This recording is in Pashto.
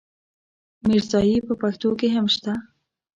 ميرزايي په پښتو کې هم شته.